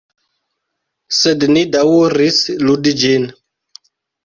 Sed ni daŭris ludi ĝin.